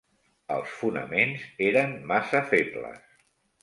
Els fonaments eren massa febles.